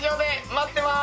待ってます！